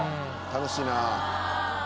楽しいなあ。